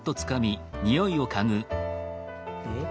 えっ？